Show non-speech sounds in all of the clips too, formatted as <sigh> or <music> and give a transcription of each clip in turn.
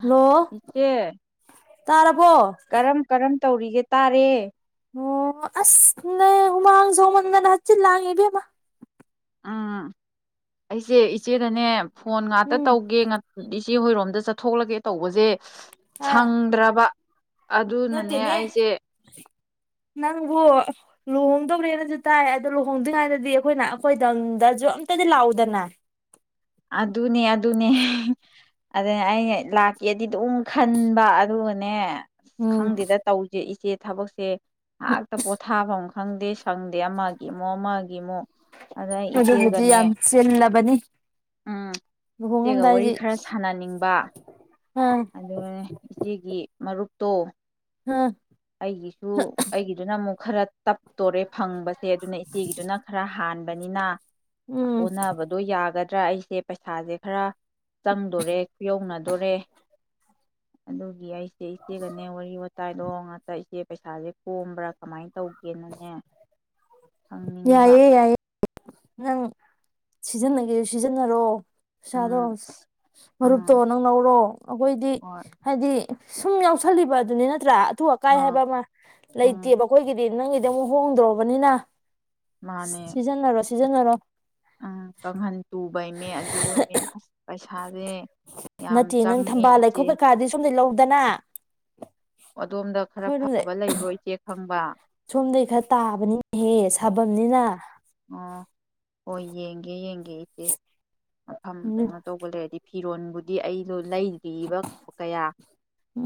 Hello ꯏꯆꯦ ꯇꯥꯔꯕꯣ ꯀꯔꯝ ꯀꯔꯝ ꯇꯧꯔꯤꯒꯦ ꯇꯥꯔꯦ ꯑꯣ ꯑꯁ ꯅ ꯍꯨꯃꯥꯡꯁꯧꯃꯝ ꯗꯅ ꯍꯛꯆꯤꯛ ꯂꯥꯡꯉꯦ ꯏꯕꯦꯝꯃꯥ ꯎꯝ ꯑꯩꯁꯦ ꯏꯆꯦꯗꯅꯦ ꯐꯣꯟ ꯉꯥꯛꯇ ꯎꯝ ꯇꯧꯒꯦ <unintelligible> ꯏꯆꯦ ꯍꯣꯏꯔꯣꯝꯗ ꯆꯠꯊꯣꯛꯂꯒꯦ ꯇꯧꯕꯁꯦ ꯑꯥ ꯁꯪꯗ꯭ꯔꯕ ꯑꯗꯨꯅꯅꯦ ꯅꯠꯇꯦꯅꯦ ꯑꯩꯁꯦ ꯅꯪꯕꯨ ꯂꯨꯍꯣꯡꯗꯧꯔꯦꯅꯁꯨ ꯇꯥꯏ ꯑꯗꯣ ꯂꯨꯍꯣꯡꯗ꯭ꯔꯤꯉꯩꯗꯗꯤ ꯑꯩꯈꯣꯏꯅ ꯑꯩꯈꯣꯏꯗꯝꯗꯁꯨ ꯑꯝꯇꯗꯤ ꯂꯥꯛꯎꯗꯅ ꯑꯗꯨꯅꯦ ꯑꯗꯨꯅꯦ ꯑꯗꯨꯅ ꯑꯩꯅ ꯂꯥꯛꯀꯦꯗꯤ ꯑꯗꯨꯝ ꯈꯟꯕ ꯑꯗꯨꯒꯅꯦ ꯑꯁ ꯎꯝ ꯈꯪꯗꯦꯗ ꯇꯧꯁꯦ ꯏꯆꯦ ꯊꯕꯣꯁꯦ ꯍꯗ ꯀꯣꯊꯥꯕꯣꯡ ꯈꯪꯗꯦ ꯁꯪꯗꯦ ꯑꯃꯒꯤ ꯑꯃꯨꯛ ꯑꯃꯒꯤ ꯑꯃꯨꯛ ꯑꯗꯨꯗ ꯑꯩ ꯑꯗꯨꯕꯨꯗꯤ ꯏꯆꯦꯒꯅꯦ ꯌꯥꯝ ꯆꯤꯜꯂꯕꯅꯤ ꯎꯝ ꯏꯆꯦꯒ ꯋꯥꯔꯤ ꯂꯨꯍꯣꯡꯉꯝꯗꯥꯏꯗꯤ ꯈꯔ ꯁꯥꯟꯅꯅꯤꯡꯕ ꯑꯥ ꯑꯗꯨꯒ ꯏꯆꯦꯒꯤ ꯃꯔꯨꯞ ꯇꯣ ꯎꯝ ꯑꯩꯒꯤꯁꯨ ꯑꯩꯒꯤꯗꯨꯅ ꯑꯃꯨꯛ ꯈꯔ ꯇꯞꯇꯣꯔꯦ ꯐꯪꯕꯁꯦ ꯑꯗꯨꯅ ꯏꯆꯦꯒꯤꯗꯨꯅ ꯈꯔ ꯍꯥꯟꯕ ꯕꯅꯤꯅꯥ ꯎꯝ ꯑꯣꯟꯅꯅꯕꯗꯣ ꯌꯥꯒꯗ ꯅꯠꯇ꯭ꯔ ꯑꯩꯁꯦ ꯄꯩꯁꯥꯁꯦ ꯈꯔ ꯆꯪꯗꯣꯔꯦ ꯈꯨꯌꯧꯅꯗꯣꯔꯦ ꯑꯗꯨꯒꯤ ꯑꯩꯁꯦ ꯏꯆꯦ ꯀꯅꯦ ꯋꯥꯔꯤ ꯇꯥꯏꯗꯣꯡꯉ ꯇꯏꯆꯦ ꯄꯩꯁꯥꯁꯦ ꯀꯣꯝꯕ꯭ꯔꯥ ꯀꯃꯥꯏꯅ ꯇꯧꯒꯦꯅꯅꯦ ꯍꯪꯅꯤꯡꯕ ꯌꯥꯏꯌꯦ ꯌꯥꯏꯌꯦ ꯅꯪ ꯁꯤꯖꯤꯟꯅꯒꯦ ꯁꯤꯖꯤꯟꯅꯔꯣ ꯄꯩꯁꯥꯗꯣ ꯎꯝ ꯃꯔꯨꯞꯇꯣ ꯑꯥ ꯅꯪ ꯂꯧꯔꯣ ꯑꯩꯈꯣꯏꯗꯤ ꯍꯣꯏ ꯍꯥꯏꯗꯤ ꯁꯨꯝ ꯌꯥꯎꯁꯜꯂꯤꯕ ꯑꯗꯨꯅꯤ ꯅꯠꯇ꯭ꯔꯥ ꯑꯇꯨ ꯑꯀꯥꯏ ꯑꯥ ꯍꯥꯏꯕ ꯑꯃ ꯎꯝ ꯂꯩꯇꯦꯕ ꯑꯩꯈꯣꯏꯒꯤꯗꯤ ꯅꯪꯒꯤ ꯑꯃꯨꯛ ꯍꯣꯡꯗ꯭ꯔꯣꯕꯅꯤꯅ ꯃꯥꯅꯦ ꯁꯤꯖꯤꯟꯅꯔꯣ ꯁꯤꯖꯤꯟꯅꯔꯣ ꯎꯝ ꯀꯥꯡꯍꯟ ꯇꯨꯕꯩꯅꯦ ꯑꯗꯨ ꯑꯣꯏꯃꯦ ꯑꯁ ꯄꯩꯁꯥꯁꯦ ꯌꯥꯝ ꯅꯠꯇꯦ ꯅꯪ ꯆꯪꯉꯦ ꯊꯝꯕꯥꯜ ꯏꯆꯦ ꯂꯩꯈꯣꯛ ꯀꯩꯀꯥꯗꯤ ꯁꯣꯝꯗ ꯂꯧꯦ ꯀꯗꯅ ꯑꯗꯣꯝꯗ ꯈꯔ ꯑꯩꯈꯣꯏꯔꯣꯝꯗꯩ ꯐꯕ ꯂꯩꯕ꯭ꯔꯣ ꯏꯆꯦ ꯈꯪꯕ ꯁꯣꯝꯗꯒꯤꯩ ꯈꯔ ꯇꯥꯕꯅꯤꯅꯍꯦ ꯁꯥꯐꯝꯅꯤꯅ ꯑꯣ ꯍꯣꯏ ꯌꯦꯡꯒꯦ ꯌꯦꯡꯒꯦ ꯏꯆꯦ ꯃꯐꯝ ꯎꯝ ꯀꯩꯅꯣ ꯇꯧꯕ ꯂꯩꯔꯗꯤ ꯐꯤꯔꯣꯟꯕꯨꯗꯤ ꯑꯩ ꯂꯣꯏ ꯂꯩꯔꯤꯕ ꯀꯌꯥ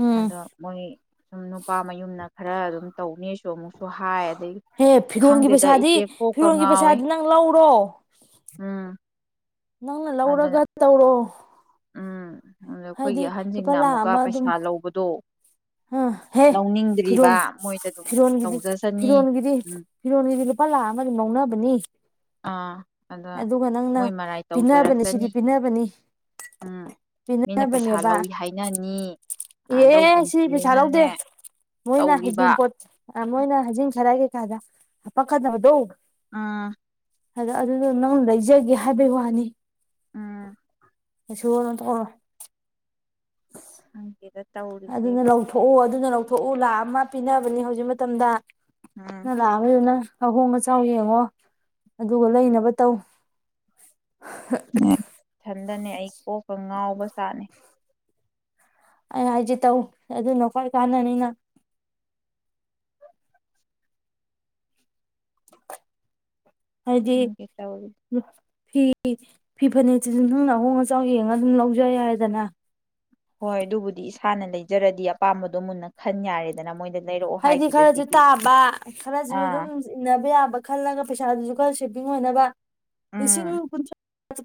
ꯎꯝ ꯑꯗꯣ ꯃꯣꯏ ꯁꯨꯝ ꯅꯨꯄꯥ ꯃꯌꯨꯝꯅ ꯈꯔ ꯑꯗꯨꯝ ꯇꯧꯅꯤꯁꯨ ꯑꯃꯨꯛꯁꯨ ꯍꯥꯏ ꯑꯗꯩ ꯍꯦ ꯐꯤꯔꯣꯟꯒꯤ ꯈꯪꯗꯦꯗ ꯄꯩꯁꯥꯗꯤ ꯏꯆꯦ ꯄꯣꯛ ꯐꯤꯔꯣꯟꯒꯤ ꯄꯩꯁꯥꯗꯨ ꯅꯪ ꯂꯧꯔꯣ ꯎꯝ ꯅꯪꯅ ꯑꯗꯨꯅ ꯂꯧꯔꯒ ꯇꯧꯔꯣ ꯎꯝ ꯑꯗ ꯍꯥꯏꯗꯤ ꯑꯩꯈꯣꯏꯒꯤ ꯂꯨꯄꯥ ꯑꯍꯟꯁꯤꯡꯅ ꯂꯥꯛ ꯑꯃꯨꯛꯀ ꯑꯃ ꯑꯗꯨꯝ ꯄꯩꯁꯥ ꯂꯧꯕꯗꯣ ꯑꯥ ꯍꯦ ꯐꯤꯔꯣ ꯂꯧꯅꯤꯡꯗ꯭ꯔꯤꯕ ꯃꯣꯏꯗ ꯑꯗꯨꯝ ꯐꯤꯔꯣꯒꯤꯗꯤ ꯇꯧꯖꯁꯅꯤ ꯐꯤꯔꯣꯒꯤꯗꯤ ꯎꯝ ꯐꯤꯔꯣꯜꯒꯤꯗꯤ ꯂꯨꯄꯥ ꯂꯥꯛ ꯑꯃ ꯑꯗꯨꯝ ꯂꯧꯅꯕꯅꯤ ꯑꯥ ꯑꯗ ꯑꯗꯨꯒ ꯅꯪꯅ ꯃꯣꯏ ꯃꯔꯥꯏ ꯄꯤꯅꯕꯅꯤ ꯇꯧꯖꯔꯛꯛꯇꯅꯤ ꯁꯤꯗꯤ ꯄꯤꯅꯕꯅꯤ ꯎꯝ ꯃꯤꯅ ꯄꯩꯁꯥ ꯄꯤꯅꯕꯅꯦꯕ ꯂꯧꯏ ꯍꯥꯏꯅꯅꯤ ꯑꯦ ꯁꯤ ꯄꯩꯁꯥ ꯂꯧꯗꯦ ꯂꯧꯒꯨꯝꯁꯦꯅꯅꯦ ꯃꯣꯏꯅ ꯇꯧꯔꯤꯕ ꯍꯩꯖꯤꯡꯄꯣꯠ ꯃꯣꯏꯅ ꯍꯩꯖꯤꯡ ꯈꯔꯒꯦ ꯀꯗ ꯍꯥꯞꯄꯛ ꯀꯥꯗꯕꯗꯣ ꯑꯥ ꯑꯗꯣ ꯑꯗꯨꯗꯣ ꯅꯪ ꯂꯩꯖꯒꯦ ꯍꯥꯏꯕꯩ ꯋꯥꯅꯦ ꯎꯝ <unintelligible> <unintelligible> ꯑꯗꯨꯅ ꯂꯧꯊꯣꯛꯑꯣ ꯑꯗꯨꯅ ꯂꯧꯊꯣꯛꯑꯣ ꯊꯣꯛꯎ ꯂꯥꯛꯑ ꯑꯃ ꯄꯤꯅꯕꯅꯤ ꯍꯧꯖꯤꯛ ꯃꯇꯝꯗ ꯎꯝ <unintelligible> ꯑꯍꯣꯡ ꯑꯆꯥꯎ ꯌꯦꯡꯉꯣ ꯑꯗꯨꯒ ꯂꯩꯅꯕ ꯇꯧ꯫ <unintelligible> ꯏꯊꯟꯗꯅꯦ ꯑꯩ ꯀꯣꯛꯄ ꯉꯥꯎꯕ ꯖꯥꯠꯅꯤ꯫ ꯑꯩ ꯍꯥꯏꯁꯦ ꯇꯧ ꯑꯗꯨꯅ ꯈꯣꯏ ꯀꯥꯟꯅꯥꯅꯤꯅꯪ꯫ <inaudible> ꯍꯥꯏꯗꯤ ꯈꯪꯗꯦ ꯇꯧꯔꯤꯁꯦ ꯐꯤ ꯐꯤ ꯐꯅꯦꯛꯁꯤꯁꯨ ꯅꯪꯅ ꯑꯍꯣꯡ ꯑꯆꯥꯎ ꯌꯦꯡꯉꯒ ꯑꯗꯨꯝ ꯂꯧꯖꯥ ꯌꯥꯔꯦꯗꯅ꯫ ꯍꯣꯏ ꯑꯗꯨꯕꯨꯗꯤ ꯏꯁꯥꯅ ꯂꯩꯖꯔꯗꯤ ꯑꯄꯥꯝꯕꯗꯣ ꯃꯨꯟꯅ ꯈꯟ ꯌꯥꯔꯦꯗꯅ ꯃꯣꯏꯗ ꯂꯩꯔꯛꯑꯣ ꯍꯥꯏꯗꯤ ꯈꯔꯁꯨ ꯍꯥꯏꯈꯤꯕꯁꯤꯗꯤ ꯇꯥꯕ ꯈꯔꯁꯨ ꯑꯗꯨꯝ ꯑꯥ ꯏꯟꯅꯕ ꯌꯥꯕ ꯈꯜꯂꯒ ꯄꯩꯁꯥꯗꯨꯁꯨ ꯈꯔ ꯁꯦꯕꯤꯡ ꯑꯣꯏꯅꯕ ꯂꯤꯁꯤꯡ ꯎꯝ ꯀꯨꯟꯊ꯭ꯔꯥ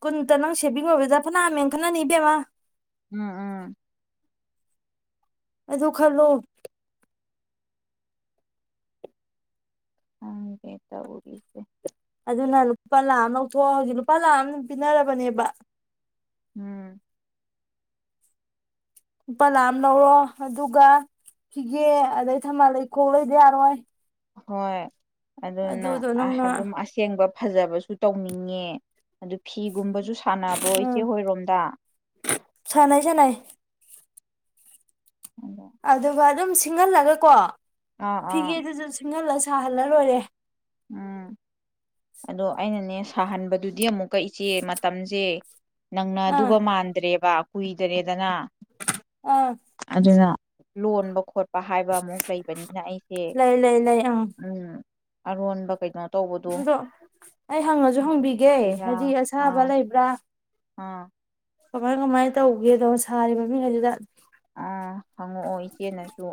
ꯀꯨꯟꯇ ꯅꯪ ꯁꯦꯚꯤꯡ ꯑꯣꯏꯕꯗ ꯐꯅꯌꯥꯝ ꯃꯦꯟꯈꯠꯅꯅꯤ ꯏꯕꯦꯝꯃ꯫ ꯎꯝ ꯎꯝ꯫ ꯑꯗꯨ ꯈꯜꯂꯨ꯫ ꯈꯪꯗꯦ ꯇꯧꯔꯤꯁꯦ꯫ ꯑꯗꯨꯅ ꯂꯨꯄꯥ ꯂꯥꯛ ꯑꯃ ꯂꯧꯊꯣꯛ ꯑꯣ ꯍꯥꯏꯁꯦ ꯂꯨꯄꯥ ꯂꯥꯛ ꯑꯃ ꯄꯤꯅꯔꯕꯅꯦꯕ꯫ ꯎꯝ꯫ ꯂꯨꯄꯥ ꯂꯥꯛ ꯑꯃ ꯂꯧꯔꯣ ꯑꯗꯨꯒ ꯐꯤꯒꯦ ꯑꯗꯩ ꯊꯝꯕꯥꯜ ꯂꯩꯈꯣꯛ ꯂꯩꯗꯤ ꯌꯥꯔꯣꯏ꯫ ꯍꯣꯏ꯫ ꯑꯗꯨꯅ ꯑꯗꯨꯗꯣ ꯅꯪꯅ ꯑꯗꯨꯝ ꯑꯁꯦꯡꯕ ꯐꯖꯕꯁꯨ ꯇꯧꯅꯤꯡꯉꯦ ꯑꯗꯨ ꯐꯤꯒꯨꯝꯕꯁꯨ ꯁꯥ ꯁꯥꯟꯅꯕ꯭ꯔꯣ ꯎꯝ ꯏꯆꯦꯍꯣꯏ ꯔꯣꯝꯗ꯫ ꯁꯥꯟꯅꯩ ꯁꯥꯟꯅꯩ ꯑꯗꯨꯒ ꯑꯗꯨꯝ ꯁꯤꯡꯍꯜꯂꯒ ꯀꯣ꯫ ꯑꯥ ꯑꯥ ꯐꯤꯒꯦꯗꯨꯁꯨ ꯁꯤꯡꯍꯜꯂ ꯁꯥꯍꯜꯂ ꯂꯣꯏꯔꯦ꯫ ꯎꯝ ꯑꯗꯣ ꯑꯩꯅꯅꯦ ꯁ ꯊꯍꯟꯕꯗꯨꯗꯤ ꯑꯃꯨꯛꯀ ꯏꯆꯦ ꯃꯇꯝꯁꯦ ꯑꯥ ꯅꯪꯅꯗꯨꯕ ꯃꯥꯟꯗ꯭ꯔꯦꯕ꯫ ꯀꯨꯏꯗꯔꯦꯗꯅ꯫ ꯑꯥ꯫ ꯂꯣꯟꯕ ꯈꯣꯠ ꯍꯥꯏꯕ ꯑꯃꯨꯛ ꯂꯩꯕꯅꯤꯅ ꯑꯩꯁꯦ ꯂꯩ ꯂꯩ ꯂꯩ ꯑꯪ ꯎꯝ꯫ ꯑꯔꯣꯟꯕ ꯀꯩꯅꯣ ꯇꯧꯕꯗꯣ ꯑꯗꯣ ꯑꯩ ꯍꯪꯉꯁꯨ ꯍꯪꯕꯤꯒꯦ ꯌꯦꯡꯁꯤꯔꯥ ꯍꯥꯏꯗꯤ ꯑꯁꯥꯕ ꯑꯥ ꯂꯩꯕ꯭ꯔꯥ ꯑꯥ ꯀꯃꯥꯏ ꯀꯃꯥꯏꯅ ꯇꯧꯒꯦꯗꯅꯣ ꯁꯥꯔꯤꯕ ꯃꯤꯈꯩꯗꯨꯗ ꯑꯥ ꯍꯪꯉꯛꯑꯣ ꯏꯆꯦꯅꯁꯨ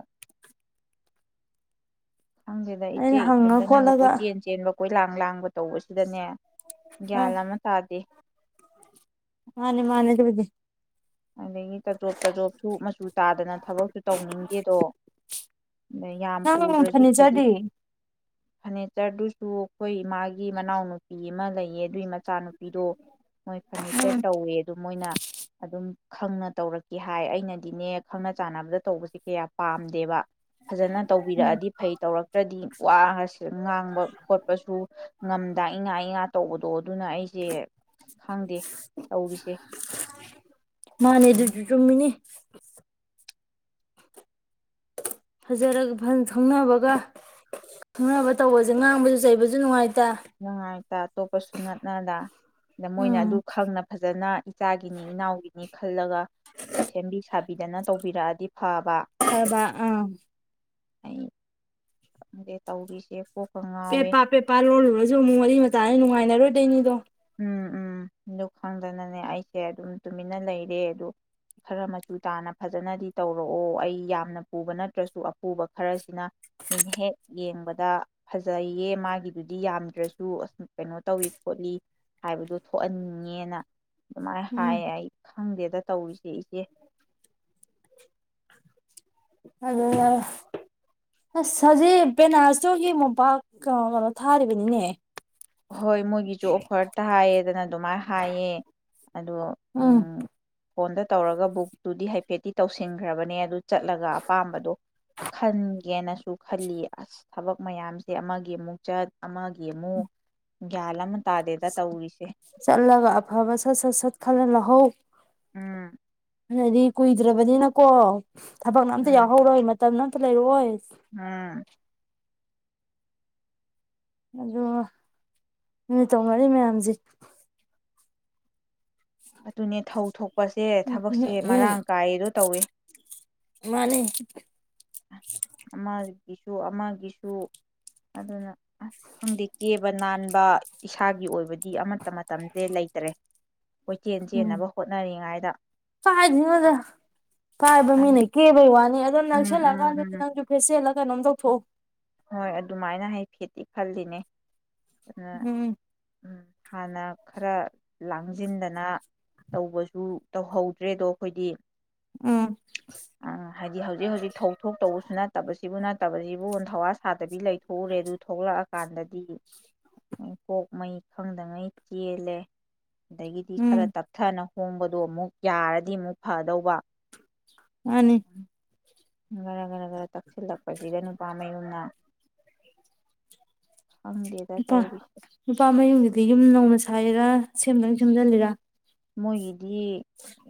ꯈꯪꯗꯦꯗ ꯏꯆꯦ ꯑꯩꯅ ꯍꯪꯉ ꯏꯊꯟꯗꯅꯥꯒ ꯈꯣꯠꯂꯒ ꯀꯣꯏꯆꯦꯟ ꯆꯦꯟꯕ ꯀꯣꯏ ꯂꯥꯡ ꯂꯥꯡꯕ ꯇꯧꯕꯁꯤꯗꯅꯦ ꯒ꯭ꯌꯥꯟ ꯑꯥ ꯑꯃ ꯇꯗꯦ ꯃꯥꯅꯦ ꯃꯥꯅꯦ ꯑꯗꯨꯕꯨꯗꯤ ꯑꯗꯒꯤ ꯇꯥꯖꯣꯞ ꯇꯥꯖꯣꯞꯁꯨ ꯃꯆꯨ ꯇꯥꯗꯅ ꯊꯕꯛꯁꯨ ꯇꯧꯅꯤꯡꯗꯦꯗꯣ ꯌꯥꯝ ꯅꯪ ꯄꯨꯗ꯭ꯔꯁꯨ ꯈꯖꯤꯛ ꯐꯔꯅꯤꯆꯔꯗꯤ ꯐꯔꯅꯤꯆꯔꯗꯨꯁꯨ ꯑꯩꯈꯣꯏ ꯏꯃꯥꯒꯤ ꯃꯅꯥꯎꯅꯨꯄꯤ ꯑꯃ ꯂꯩꯌꯦ ꯑꯗꯨꯏ ꯃꯆꯥꯅꯨꯄꯤꯗꯣ ꯃꯣꯏ ꯐꯔꯅꯤꯆꯔ ꯎꯝ ꯇꯧꯋꯦ ꯑꯗꯨ ꯃꯣꯏꯅ ꯑꯗꯨꯝ ꯈꯪꯅ ꯇꯧꯔꯛꯀꯦ ꯍꯥꯏ ꯑꯩꯅꯗꯤꯅꯦ ꯈꯪꯅ ꯆꯥꯟꯅꯕꯗ ꯇꯧꯕꯁꯦ ꯀꯌꯥ ꯄꯥꯝꯗꯦꯕ ꯐꯖꯅ ꯇꯧꯕꯤꯔꯛꯑꯗꯤ ꯐꯩ ꯇꯧꯔꯛ ꯈꯔꯗꯤ ꯋꯥꯁꯤ ꯉꯥꯡꯕ ꯈꯣꯠꯄꯁꯨ ꯉꯝꯗ ꯏꯉꯥ ꯏꯉꯥ ꯇꯧꯕꯗꯣ ꯑꯗꯨꯅ ꯑꯩꯁꯦ ꯈꯪꯗꯦ ꯇꯧꯔꯤꯁꯦ꯫ ꯃꯥꯅꯦ ꯎꯝ ꯑꯗꯨꯁꯨ ꯆꯨꯝꯃꯤꯅꯦ ꯐꯖꯔꯒ ꯐꯟ ꯈꯪꯅꯕꯒ ꯈꯪꯅꯕ ꯇꯧꯕꯁꯦ ꯉꯥꯡꯕꯁꯨ ꯆꯩꯕꯁꯨ ꯅꯨꯡꯉꯥꯏ ꯅꯨꯡꯉꯥꯏꯇ ꯑꯇꯣꯞꯄꯁꯨ ꯅꯠꯅꯗ ꯑꯗ ꯃꯣꯏꯅ ꯎꯝ ꯑꯗꯨ ꯈꯪꯅ ꯐꯖꯅ ꯏꯆꯥꯒꯤꯅꯤ ꯏꯅꯥꯎꯒꯤꯅꯤ ꯈꯜꯂꯒ ꯁꯦꯝꯕꯤ ꯁꯥꯕꯤꯗꯅ ꯇꯧꯕꯤꯔꯛꯑꯗꯤ ꯐꯕ꯫ ꯐꯕꯥ ꯑꯥ꯫ ꯑꯩ ꯈꯪꯗꯦ ꯇꯧꯔꯤꯁꯦꯀꯣ ꯄꯦ ꯄ ꯄꯦ ꯄ ꯂꯣꯜꯂꯨꯔꯁꯨ ꯑꯃꯨꯛ ꯋꯥꯔꯤꯔꯤ ꯃꯇꯥꯅꯤ ꯅꯨꯡꯉꯥꯏꯅꯔꯣꯏ ꯗꯅꯤꯗꯣ ꯎꯝ ꯎꯝ ꯑꯗꯨ ꯈꯪꯗꯅꯅꯦ ꯑꯩꯁꯦ ꯑꯗꯨꯝ ꯇꯨꯃꯤꯟꯅ ꯂꯩꯔꯦ ꯑꯗꯨ ꯈꯔ ꯃꯆꯨ ꯇꯥꯅ ꯐꯖꯅꯗꯤ ꯇꯧꯔꯛꯑꯣ ꯑꯩ ꯌꯥꯝꯅ ꯄꯨꯕ ꯅꯠꯇ꯭ꯔꯁꯨ ꯑꯄꯨꯕ ꯈꯔꯁꯤꯅ ꯃꯤꯅꯍꯦꯛ ꯌꯦꯡꯕꯗ ꯐꯖꯩꯌꯦ ꯃꯥꯒꯤꯗꯨꯗꯤ ꯌꯥꯝꯗ꯭ꯔꯁꯨ ꯑ ꯀꯩꯅꯣ ꯇꯧꯏ ꯈꯣꯠꯂꯤ ꯍꯥꯏꯕꯗꯨ ꯊꯣꯛꯍꯟꯉꯦꯅ ꯑꯗꯨꯥꯏ ꯎꯝ ꯍꯥꯏ ꯈꯪꯗꯦꯗ ꯇꯧꯔꯤꯁꯦ ꯏꯆꯦ ꯑꯗꯨ ꯑꯁ ꯍꯧꯖꯤꯛ ꯕꯦꯅꯥꯁꯇꯣꯒꯤ ꯃꯣꯝꯄꯥꯛ ꯀ ꯀꯩꯅꯣ ꯊꯥꯔꯤꯕꯅꯤꯅꯦ ꯍꯣꯏ ꯃꯣꯏꯒꯤꯁꯨ ꯑꯣꯐꯔ ꯇꯥꯏꯌꯦꯗꯅ ꯑꯗꯨꯃꯥꯏꯅ ꯍꯥꯏꯌꯦ ꯑꯗꯣ ꯎ ꯎꯝ ꯐꯣꯟꯗ ꯇꯧꯔꯒ ꯕꯨꯛꯇꯨꯗꯤ ꯍꯥꯏꯐꯦꯠꯇꯤ ꯇꯧꯁꯤꯟꯈ꯭ꯔꯕꯅꯦ ꯑꯗꯨ ꯆꯠꯂꯒ ꯑꯄꯥꯝꯕꯗꯣ ꯈꯟ ꯦꯅꯁꯨ ꯈꯜꯂꯤ ꯑꯁ ꯊꯕꯛ ꯃꯌꯥꯝꯁꯦ ꯑꯃꯒꯤ ꯑꯃꯨꯛ ꯆꯠ ꯑꯃꯒꯤ ꯑꯃꯨꯛ ꯌꯥ꯭ꯂ ꯃ ꯆꯠꯂꯒꯐꯕꯁ ꯁꯠꯁꯠ ꯈꯂ ꯂꯥꯛ ꯍꯧ ꯎꯝ ꯗꯤ ꯀꯨꯏꯗ꯭ꯔꯕꯅꯤꯅꯀꯣ ꯊꯕꯛꯅ ꯑꯝꯇ ꯎꯝ ꯌꯥꯎꯍꯧꯔꯣꯏ ꯃꯇꯝꯗ ꯂꯩꯔꯑꯣꯣꯏ ꯎꯝ ꯑꯗꯨꯒ ꯅꯨꯠ ꯇꯧ ꯃꯔꯤ ꯃꯌꯥꯝꯁꯦ ꯑꯗꯨꯅꯦ ꯊꯧ ꯊꯣꯛꯄꯁꯦ ꯎꯝ ꯎꯝ ꯊꯕꯛꯁꯦ ꯎꯝ ꯃꯔꯥꯡ ꯀꯥꯏꯗꯣ ꯇꯧꯏꯦ ꯃꯥꯅꯤ ꯑꯃꯒꯤꯁꯨ ꯑꯃꯒꯤꯁꯨ ꯑꯗꯨꯅ ꯑꯁ ꯈꯪꯗꯦ ꯀꯦꯕ ꯅꯥꯟꯕ ꯏꯁꯥꯒꯤ ꯑꯣꯏꯕꯗꯤ ꯑꯃꯠꯇ ꯃꯇꯝꯁꯦ ꯂꯩꯇ꯭ꯔꯦ ꯀꯣꯏꯆꯦꯟ ꯎꯝ ꯆꯦꯟꯅꯕ ꯍꯣꯠꯅꯔꯤꯉꯩꯗ ꯀꯥꯏꯗꯤꯉꯣꯗ ꯄꯥꯏꯕ ꯎꯝ ꯃꯤꯅ ꯀꯦꯕꯩ ꯋꯥꯅꯤ ꯅꯪꯁꯦ ꯎꯝ ꯂꯒꯥ ꯎꯝ ꯂꯩꯇ ꯅꯪꯁꯨ ꯐꯦꯁꯦꯜ ꯍꯣꯏ ꯑꯗꯨꯃꯥꯏꯅ ꯍꯥꯏ ꯐꯦꯗꯤꯤ ꯈꯜꯂꯤꯅꯦ ꯑ ꯎꯝ ꯎꯝ ꯍꯅ ꯈꯔ ꯂꯥꯡꯁꯤꯟꯗꯅ ꯇꯧꯕꯁꯨ ꯇꯧꯍꯧꯗ꯭ꯔꯦ ꯑꯗꯣ ꯑꯩꯈꯣꯏꯗꯤ ꯎꯝ ꯑ ꯍꯥꯏꯗꯤ ꯍꯧꯖꯤꯛ ꯍꯧꯖꯤꯛ ꯊꯣꯛꯧ ꯊꯣꯛ ꯇꯧꯕꯁꯨ ꯅꯠꯇꯦ ꯇꯥꯁꯤ ꯁꯤꯕꯨꯅ ꯐꯠꯇꯕꯁꯤꯕꯨ ꯊꯋꯥ ꯁꯥꯗꯕꯤ ꯂꯩꯊꯣꯛꯎꯔꯦ ꯑꯗꯨ ꯊꯣꯛꯂꯛꯑꯀꯥꯟꯗꯗꯤ ꯀꯣꯛ ꯃꯩ ꯈꯪꯗꯉꯩ ꯆꯦꯜꯂꯦ ꯑꯗꯒꯤꯗꯤ ꯎꯝ ꯈꯔ ꯇꯞꯊꯅꯣ ꯍꯣꯡꯕꯗꯣ ꯑꯃꯨꯛ ꯌꯥꯔꯗꯤ ꯑꯃꯨꯛ ꯐꯗꯧꯕ ꯑꯅꯤ ꯔ ꯈꯔ ꯈꯔ ꯇꯛꯁꯤꯜꯂꯛꯄꯁꯤꯗ ꯅꯨꯄꯥ ꯃꯌꯨꯝꯅ ꯈꯪꯗꯦꯗ ꯅꯨꯄꯥ ꯇꯧꯔꯤꯁꯦ ꯅꯨꯄꯥ ꯃꯌꯨꯝꯁꯤꯗꯤ ꯌꯨꯝ ꯅꯧꯅ <unintelligible> ꯊꯥꯏꯔꯥ ꯁꯦꯝꯗꯡ ꯁꯦꯝꯖꯜꯂꯤꯔ꯫ ꯃꯣꯏꯒꯤꯗꯤ ꯗꯤ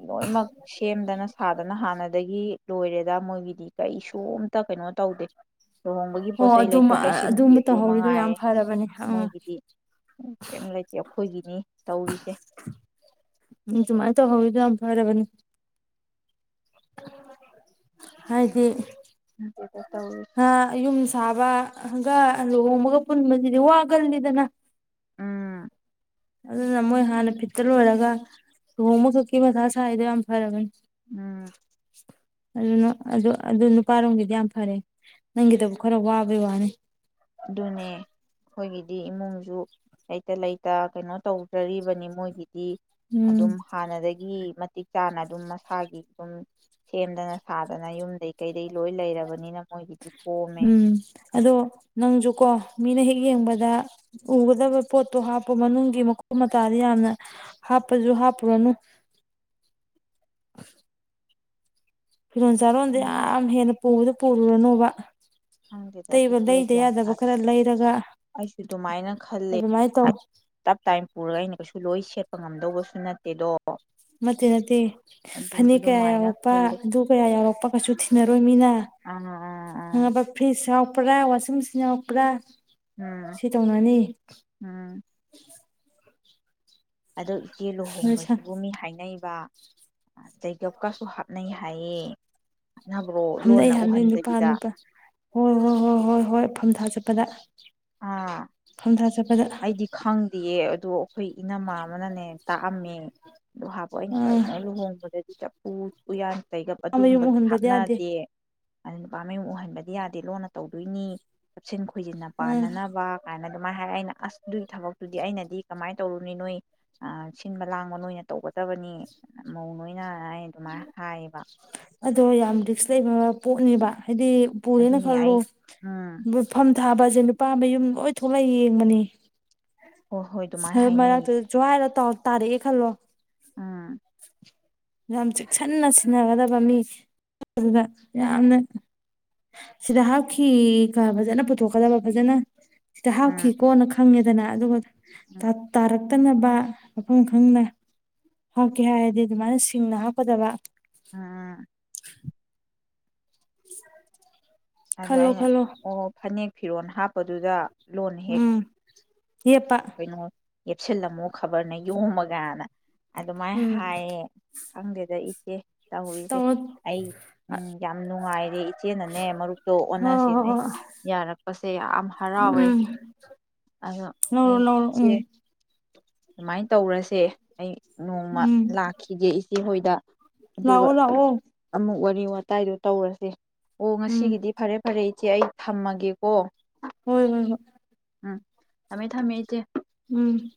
ꯂꯣꯏꯃꯛ ꯁꯦꯝꯗꯅ ꯊꯥꯗꯅ ꯍꯥꯟꯅꯗꯒꯤ ꯂꯣꯏꯔꯦꯗ ꯃꯣꯏꯒꯤꯗꯤ ꯀꯩꯁꯨ ꯑ ꯑꯃꯇ ꯀꯩꯅꯣ ꯇꯧꯗꯦ ꯂꯨꯍꯣꯡꯕꯒꯤ ꯍꯣ ꯄꯣꯠꯆꯩ ꯑꯗꯨꯝ ꯂꯩꯊꯣꯛ ꯂꯩꯁꯤꯟꯕꯤ ꯑꯗꯨꯃ ꯑꯗꯨ ꯇꯧꯍꯧꯔꯤꯗꯣ ꯌꯥꯝ ꯃꯉꯥꯏꯔꯦ ꯐꯔꯕꯅꯦ ꯑꯥ ꯃꯣꯏꯒꯤꯗꯤ ꯀꯔꯤꯝ ꯂꯩꯇꯦ ꯑꯩꯈꯣꯏꯒꯤꯅꯤ ꯇꯧꯔꯤꯁꯦ ꯎꯝ ꯁꯨꯃꯥꯏꯅ ꯇꯧꯍꯧꯔꯤꯗꯣ ꯌꯥꯝ ꯐꯔꯕꯅꯤ ꯍꯥꯏꯗꯤ ꯑꯗꯨꯗ ꯇꯧꯔꯤꯁꯦ ꯑ ꯌꯨꯝ ꯁꯥꯕ ꯍꯪꯒꯥ ꯂꯨꯍꯣꯡꯃꯒ ꯄꯨꯟꯕꯕꯁꯤꯗꯤ ꯋꯥꯒꯜꯂꯤꯗꯅ ꯎꯝ ꯑꯗꯨꯅ ꯃꯣꯏ ꯍꯥꯟꯅ ꯐꯤꯠꯇ ꯂꯣꯏꯔꯒ ꯂꯨꯍꯣꯡꯕ ꯈꯛꯀꯤ ꯃꯊꯥ ꯁꯥꯏꯗꯨꯣ ꯌꯥꯝ ꯐꯔꯕꯅꯤ ꯎꯝ ꯑꯗꯨꯅ ꯑꯗꯨ ꯑꯗꯨ ꯅꯨꯄꯥꯔꯣꯝꯒꯤꯗꯤ ꯌꯥꯝ ꯐꯔꯦ ꯅꯪꯒꯤꯗꯕꯨ ꯈꯔ ꯋꯥꯕꯩ ꯋꯥꯅꯤ ꯑꯗꯨꯅꯦ ꯑꯩꯈꯣꯏꯒꯤꯗꯤ ꯏꯃꯨꯡꯖꯨ ꯂꯩꯇ ꯂꯩꯇ ꯀꯩꯅꯣ ꯇꯧꯖꯔꯤꯕꯅꯤ ꯃꯣꯏꯒꯤꯗꯤ꯫ ꯎꯝ ꯑꯗꯨꯝ ꯍꯥꯟꯅꯗꯒꯤ ꯃꯇꯤꯛ ꯆꯥꯅ ꯑꯗꯨꯝ ꯃꯁꯥꯒꯤ ꯁꯨꯝ ꯁꯦꯝꯗꯅ ꯁꯥꯗꯅ ꯌꯨꯝꯗꯩ ꯀꯩꯗꯩ ꯂꯣꯏ ꯂꯩꯔꯕꯅꯤꯅ ꯃꯣꯏꯒꯤꯗꯤ ꯀꯣꯝꯃꯦ ꯎꯝ ꯑꯗꯣ ꯅꯪꯁꯨꯀꯣ ꯃꯤꯅ ꯍꯦꯛ ꯌꯦꯡꯕꯗ ꯎꯒꯗꯕ ꯄꯣꯠꯇꯣ ꯍꯥꯞꯄ ꯃꯅꯨꯡꯒꯤ ꯃꯈꯨ ꯃꯇꯥꯗ ꯌꯥꯝꯅ ꯍꯥꯞꯄꯁꯨ ꯍꯥꯞꯄꯨꯔꯅꯨ ꯐꯤꯔꯣꯟ ꯆꯥꯔꯣꯟꯗꯤꯦ ꯈꯪꯗꯦ ꯌꯥꯝ ꯍꯦꯟꯅ ꯄꯨꯕꯗ ꯄꯨꯔꯨꯔꯅꯨ ꯋꯥ ꯈꯪꯗꯦꯗ ꯏꯆꯦ ꯒ꯭ꯌꯥꯟ ꯇꯥꯗꯦ ꯈꯔ ꯂꯩꯔꯒ ꯑꯩꯁꯨ ꯑꯗꯨꯃꯥꯏꯅ ꯈꯜꯂꯦ ꯑꯗꯨꯃꯥꯏꯅ ꯇꯧ ꯇꯞ ꯇꯥꯏꯝ ꯄꯨꯔꯒ ꯑꯩꯅ ꯀꯩꯁꯨ ꯂꯣꯏ ꯁꯦꯠꯄ <unintelligible> ꯉꯝꯗꯧꯕꯁꯨ ꯅꯠꯇꯦꯗꯣ ꯅꯠꯇꯦ ꯅꯠꯇꯦ ꯑꯗꯨꯝ ꯐꯅꯦꯛ ꯀꯌꯥ ꯑꯗꯨꯃꯥꯏꯅ ꯌꯥꯎꯔꯛꯄ ꯈꯜꯂꯦ ꯑꯗꯨ ꯀꯌꯥ ꯌꯥꯎꯔꯛꯄ ꯀꯩꯁꯨ ꯊꯤꯅꯔꯣꯏ ꯑꯥ ꯑꯥ <unintelligible> ꯑꯥ ꯈꯪꯉꯕ ꯐ꯭ꯔꯤꯖ ꯌꯥꯎꯔꯛꯄ꯭ꯔꯥ ꯋꯥꯁꯤꯡ ꯃꯦꯆꯤꯟ ꯌꯥꯎꯔꯛꯄ꯭ꯔꯥ ꯎꯝ ꯁꯤ ꯇꯧꯅꯅꯤ ꯎꯝ ꯑꯗꯣ ꯏꯆꯦ ꯂꯨꯍꯣꯡꯕꯁꯤꯕꯨ ꯃꯤ ꯍꯥꯏꯅꯩ <unintelligible> ꯆꯩꯒꯞꯀꯁꯨ ꯍꯥꯞꯅꯩ ꯍꯥꯏꯌꯦ ꯍꯥꯞꯅꯕ꯭ꯔꯣ ꯍꯥꯝꯅꯩ ꯂꯣꯟꯅ ꯍꯥꯅꯩ ꯅꯨꯄꯥ ꯎꯍꯟꯗꯕꯤꯗ ꯅꯨꯄꯥ ꯍꯣꯏ ꯍꯣꯏ ꯍꯣꯏ ꯍꯣꯏ ꯍꯣꯏ ꯐꯝ ꯊꯥ ꯆꯠꯄ <unintelligible> ꯑꯥ ꯑꯩꯗꯤ ꯈꯪꯗꯤꯌꯦ ꯑꯗꯨ ꯑꯩꯈꯣꯏ ꯏꯅꯝꯃꯥ ꯑꯃꯅꯅꯦ ꯇꯥꯛꯑꯝꯃꯦ <unintelligible> ꯑꯩꯅ ꯑꯥ ꯀꯩꯅꯣ ꯂꯨꯍꯣꯡꯕꯗꯗꯤ ꯆꯄ ꯎ ꯎꯌꯥꯟ꯫ ꯀꯩꯒꯞ ꯃꯌꯨꯝ ꯑꯗꯨꯒꯨꯝꯕꯗꯤ ꯎꯍꯟꯕꯗꯤ ꯌꯥꯗꯦ ꯍꯥꯞꯅꯗꯦ꯫ ꯑ ꯅꯨꯄꯥ ꯃꯌꯃꯨꯛ ꯎꯍꯟꯕꯗꯤ ꯌꯥꯗꯦ ꯂꯣꯟꯅ ꯇꯧꯗꯣꯏꯅꯤ ꯆꯞꯁꯤꯟ ꯈꯣꯏꯖꯤꯟ꯫ ꯑꯥ ꯄꯥꯟꯅꯅꯕ ꯀꯥꯏꯅ꯫ ꯑꯗꯨꯃꯥꯏꯅ ꯍꯥꯏꯔ ꯑꯩꯅ ꯑꯁ ꯑꯗꯨꯏ ꯊꯕꯛꯇꯨꯗꯤ ꯑꯩꯅꯗꯤ ꯀꯃꯥꯏꯅ ꯇꯧꯔꯨꯅꯤ ꯅꯣꯏ ꯑꯥ ꯁꯤꯟꯕ ꯂꯥꯡꯕ ꯅꯣꯏꯅ ꯇꯧꯕ ꯇꯕꯅꯤ ꯃꯧ ꯅꯣꯏ ꯌꯥ ꯑꯗꯣ ꯌꯥꯝ ꯔꯤꯛꯁ ꯂꯩꯕ ꯄꯣꯠꯅꯦꯕ꯫ ꯍꯥꯏꯗꯤ ꯄꯨꯔꯦꯅ ꯑꯗꯨꯅꯤ ꯈꯜꯂꯨ ꯑꯩ ꯎꯝ ꯐꯝ ꯊꯥꯕ ꯁꯦ ꯅꯨꯄꯥ ꯃꯌꯨꯝ ꯂꯣꯏ ꯊꯣꯛꯂꯛ ꯌꯦꯡꯕꯅꯤ ꯍꯣꯏ ꯍꯣꯏ ꯑꯗꯨꯃꯥꯏꯅ ꯍ ꯃꯔ ꯍꯥꯏꯅꯩꯌꯦ ꯋꯥꯔꯠꯇ ꯇꯥꯔꯦꯑ ꯈꯜꯂꯣ ꯎꯝ ꯌꯥꯝ ꯆꯦꯛꯁꯤꯟꯅ ꯁꯤꯟꯅꯒꯗꯕ ꯃꯤ ꯑꯗꯨꯗ ꯌꯥꯝꯅ ꯁꯤꯗ ꯍꯥꯞꯈꯤ ꯐꯖꯅ ꯄꯨꯊꯣꯛꯀꯗꯕ ꯐꯖꯅ ꯁꯤꯗ ꯍꯥꯞꯈꯤ ꯎꯝ ꯀꯣꯅ ꯈꯪꯉꯦ ꯗꯅ ꯑꯗꯨꯒ ꯎꯝ ꯇ ꯇꯔ ꯍꯥꯇꯅꯕ ꯃꯐꯝ ꯈꯪꯅ ꯍꯥꯞꯀꯦ ꯍꯥꯏꯔꯗꯤ ꯑꯗꯨꯃꯥꯏꯅ ꯁꯤꯡꯅ ꯍꯥꯞꯀꯗꯕ ꯑꯝ <inaudible> ꯑꯗꯣ ꯈꯜꯂꯣ ꯑꯩꯅ ꯈꯜꯂꯣ ꯑꯣ ꯐꯅꯦꯛ ꯐꯤꯔꯣꯜ ꯍꯥꯞꯄꯗꯨꯗ ꯂꯣꯟ ꯍꯦꯛ ꯎꯝ ꯌꯦꯄꯥ ꯀꯩꯅꯣ ꯌꯦꯞꯁꯤꯜꯂꯝꯃꯣ ꯈꯕꯔꯅꯦ ꯌꯣꯝꯃꯒꯅ ꯑꯗꯨꯃꯥꯏꯅ ꯎꯝ ꯍꯥꯏꯌꯦ ꯈꯪꯗꯦꯗ ꯑꯣ ꯇꯧꯔꯤꯁꯦ ꯇꯧꯔꯣ ꯑꯩ ꯎꯝ ꯌꯥꯝ ꯅꯨꯡꯉꯥꯏ ꯒꯤ ꯏꯆꯦ ꯅꯅꯦ ꯃꯔꯨꯞ ꯍꯣꯏ ꯍꯣꯏ ꯑꯣꯟꯅꯁꯦꯅ ꯑꯩ ꯍꯣꯏ ꯌꯥꯔꯛꯄꯁꯦ ꯌꯥꯝ ꯍꯔꯥꯎꯔꯦ ꯎꯝ ꯑꯗꯣ ꯂꯧꯔꯣ ꯑꯩ ꯂꯧꯔꯣ ꯏꯆꯦ ꯎꯝ ꯑꯗꯨꯃꯥꯏꯅ ꯇꯧꯔꯁꯦ ꯑꯩ ꯅꯣꯡꯃ ꯎꯝ ꯂꯥꯛꯈꯤꯒꯦ ꯏꯆꯦ ꯍꯣꯏ ꯂꯥꯛꯑꯣ ꯂꯥꯛꯑꯣ ꯑꯃꯨꯛ ꯋꯥꯔꯤ ꯋꯥꯇꯥꯏꯗꯣ ꯇꯧꯔꯁꯦ ꯑꯣ ꯎꯝ ꯉꯁꯤꯒꯤꯗꯤ ꯐꯔꯦ ꯐꯔꯦ ꯏꯆꯦ ꯑꯩ ꯊꯝꯃꯒꯦꯀꯣ ꯍꯣꯏ ꯍꯣꯏ ꯍꯣꯏ ꯎꯝ ꯊꯃꯦ ꯊꯝꯃꯦ ꯏꯆꯦ ꯎꯝ